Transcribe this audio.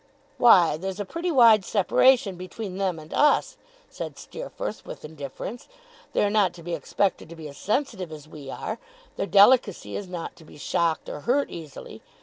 'Why, there's a pretty wide separation between them and us,' said Steerforth, with indifference. 'They are not to be expected to be as sensitive as we are. Their delicacy is not to be shocked, or hurt easily.